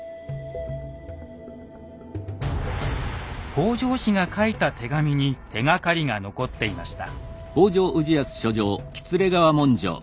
北条氏が書いた手紙に手がかりが残っていました。